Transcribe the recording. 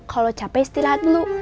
kalo capek istirahat dulu